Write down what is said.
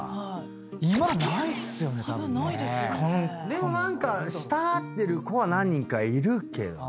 でも何かしたがってる子は何人かいるけどね。